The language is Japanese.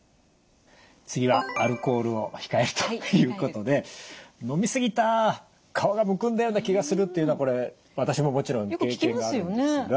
次はアルコールを控えるということで飲み過ぎた顔がむくんだような気がするというのはこれ私ももちろん経験があるんですが。